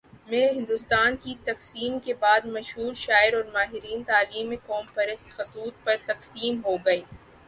میں ہندوستان کی تقسیم کے بعد، مشہور شاعر اور ماہرین تعلیم قوم پرست خطوط پر تقسیم ہو گئے۔